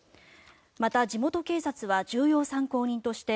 また、地元警察は重要参考人として